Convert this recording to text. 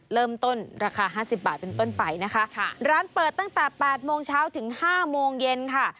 เริ่มต้นราคาห้าสิบบาทเป็นต้นไปนะคะค่ะร้านเปิดตั้งแต่แปดโมงเช้าถึงห้าโมงเย็นค่ะ